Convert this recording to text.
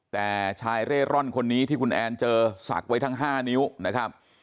แต่ชายเร่ร่อนคนนี้ที่คุณแอนเจอศักดิ์ไว้ทั้ง๕นิ้วนะครับ